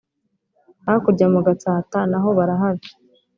hakurya mu gatsaata na hó barahari